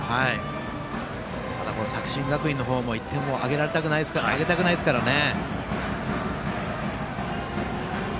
ただ、作新学院の方ももう１点もあげたくないですからね。